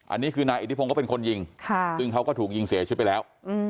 อันนี้คือนายอิทธิพงศ์ก็เป็นคนยิงซึ่งเขาก็ถูกยิงเสียชีวิตไปแล้ว